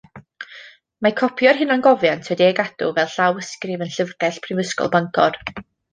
Mae copi o'r hunangofiant wedi ei gadw fel llawysgrif yn Llyfrgell Prifysgol Bangor.